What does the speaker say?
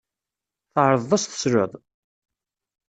Tɛerḍeḍ ad as-tesleḍ?